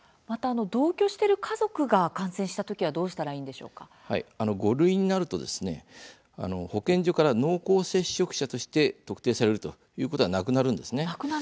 同居している家族が感染した時は５類になると保健所から濃厚接触者として特定されることはなくなるんです。